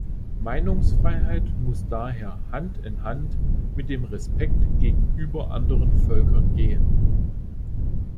Meinungsfreiheit muss daher Hand in Hand mit dem Respekt gegenüber anderen Völkern gehen.